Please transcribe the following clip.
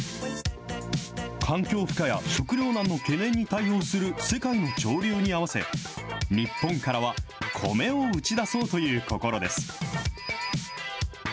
環境負荷や食糧難の懸念に対応する世界の潮流に合わせ、日本からは米を打ち出そうという心です。